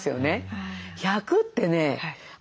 １００ってね